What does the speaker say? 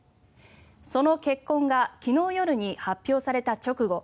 その結婚が昨日夜に発表された直後